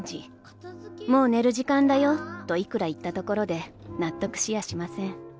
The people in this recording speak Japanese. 『もう寝る時間だよ』といくら言ったところで納得しやしません。